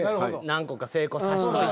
何個か成功さしといて。